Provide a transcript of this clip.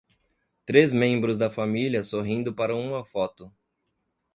Três membros da família sorrindo para uma foto.